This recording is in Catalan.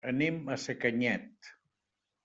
Anem a Sacanyet.